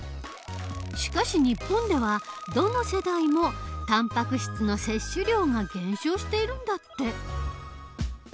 しかし日本ではどの世代もたんぱく質の摂取量が減少しているんだって。